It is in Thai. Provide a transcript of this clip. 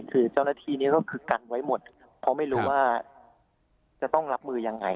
คือเจ้าหน้าที่นี้ก็คือกันไว้หมดครับเพราะไม่รู้ว่าจะต้องรับมือยังไง